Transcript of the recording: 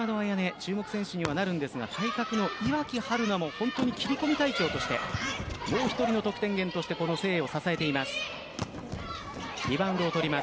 注目選手にはなるんですが対角の岩城遥南も本当に切り込み隊長としてもう１人の得点源として誠英を支えています。